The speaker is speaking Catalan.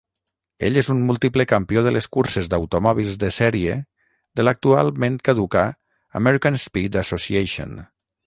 Ell és un múltiple campió de les curses d'automòbils de sèrie de l'actualment caduca American Speed Association.